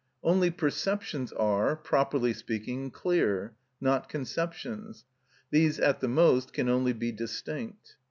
Only perceptions are, properly speaking, clear, not conceptions; these at the most can only be distinct.